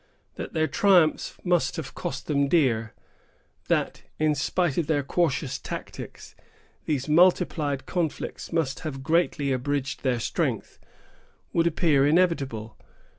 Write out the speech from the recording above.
That their triumphs must have cost them dear; that, in spite of their cautious tactics, these multiplied conflicts must have greatly abridged their strength, would appear inevitable.